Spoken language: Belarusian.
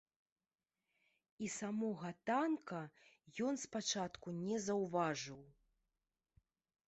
І самога танка ён спачатку не заўважыў.